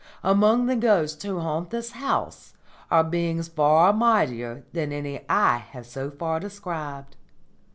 Among the ghosts who haunt this house are beings far mightier than any I have so far described.